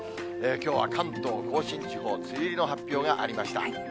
きょうは関東甲信地方、梅雨入りの発表がありました。